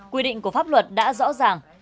quy định của pháp luật đã rõ ràng